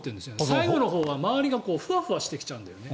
最後のほうは周りがふわふわしてきちゃうんだよね。